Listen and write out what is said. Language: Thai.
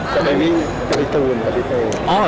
จะไปวิ่งกับพี่ตูนกับพี่ตูน